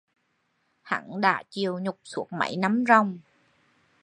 hắn đã chịu nhục suốt mấy năm ròng